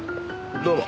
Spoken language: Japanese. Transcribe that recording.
どうも。